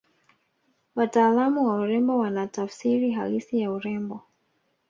wataalamu wa urembo wana tafsiri halisi ya urembo